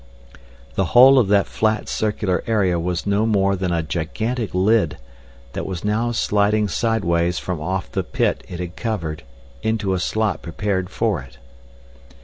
The whole of that flat circular area was no more than a gigantic lid, that was now sliding sideways from off the pit it had covered into a slot prepared for it.